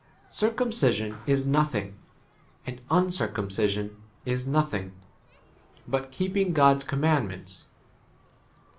Cir cumcision is nothing, and uncir cumcision is nothing ; but keeping 20 God's commandments.